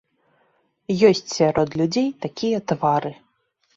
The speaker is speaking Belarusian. Ёсць сярод людзей такія твары.